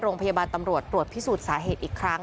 โรงพยาบาลตำรวจตรวจพิสูจน์สาเหตุอีกครั้ง